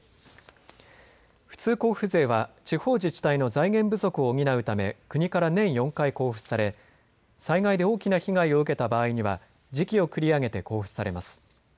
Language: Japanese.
普通交付税は地方自治体の財源不足を補うため国から年４回交付され災害で大きな被害を受けた場合には時期を繰り上げて交付されます。